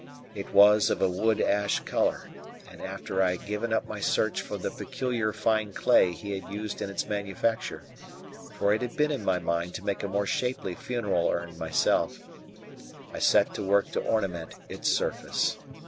It was of a wood ash colour; and after I had given up my search for the peculiar fine clay he had used in its manufacture for it had been in my mind to make a more shapely funeral urn myself I set to work to ornament its surface.